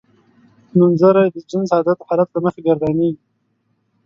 نومځری د جنس عدد حالت له مخې ګردانیږي.